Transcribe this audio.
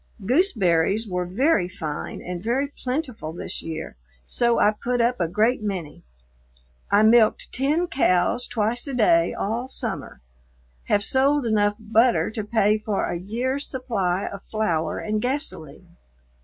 Gooseberries were very fine and very plentiful this year, so I put up a great many. I milked ten cows twice a day all summer; have sold enough butter to pay for a year's supply of flour and gasoline.